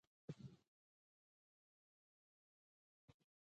د كليوالو اروا هم په موږ نه وه خبره.